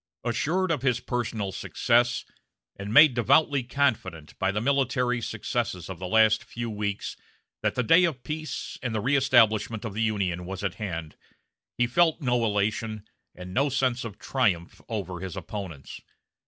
Assured of his personal success, and made devoutly confident by the military successes of the last few weeks that the day of peace and the reëstablishment of the Union was at hand, he felt no elation, and no sense of triumph over his opponents.